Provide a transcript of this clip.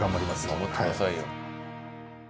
頑張って下さいよ。